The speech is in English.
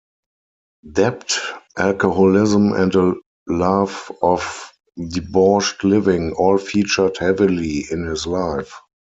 Debt, alcoholism and a love of debauched living all featured heavily in his life.